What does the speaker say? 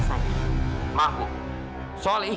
sudah mak swear